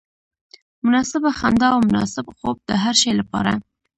مناسبه خندا او مناسب خوب د هر شي لپاره.